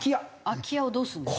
空き家をどうするんですか？